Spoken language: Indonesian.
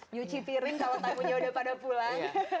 nyuci piring kalau tamunya udah pada pulang